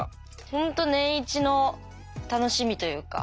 ほんと年一の楽しみというか。